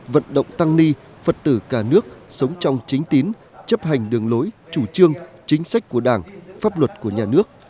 vận động tăng ni phật tử cả nước sống trong chính tín chấp hành đường lối chủ trương chính sách của đảng pháp luật của nhà nước